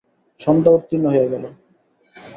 সন্ধ্যা উত্তীর্ণ হইয়া গেল।